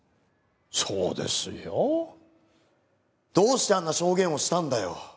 そうですよ。どうしてあんな証言をしたんだよ！